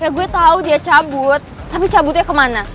gue tau dia cabut tapi cabutnya kemana